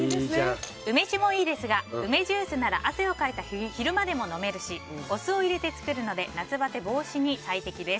梅酒もいいですが梅ジュースなら汗をかいた昼間でも飲めるしお酢を入れて作るので夏バテ防止に最適です。